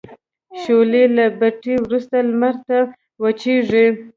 شولې له بټۍ وروسته لمر ته وچیږي.